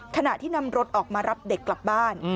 ขณะที่นำรถออกมารับเด็กกลับบ้าน